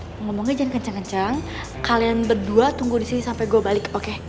shh ngomongnya jangan kenceng kenceng kalian berdua tunggu disini sampe gua balik oke